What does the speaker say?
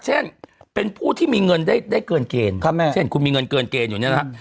เช่นเป็นผู้ที่มีเงินได้เกินเกณฑ์เช่นคุณมีเงินเกินเกณฑ์อยู่เนี่ยนะฮะ